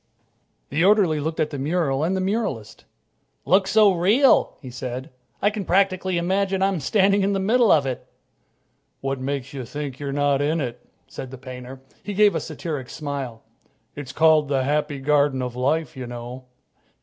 The orderly looked in at the mural and the muralist. "Looks so real," he said, "I can practically imagine I'm standing in the middle of it." "What makes you think you're not in it?" said the painter. He gave a satiric smile. "It's called 'The Happy Garden of Life,' you know."